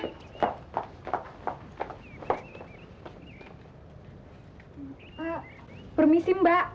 ah permisi mbak